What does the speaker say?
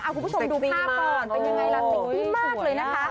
คุณผู้ชมดูภาพก่อนเป็นยังไงล่ะเซ็กซี่มากเลยนะคะ